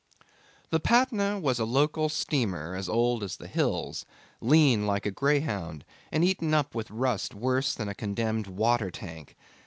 The Patna was a local steamer as old as the hills, lean like a greyhound, and eaten up with rust worse than a condemned water tank.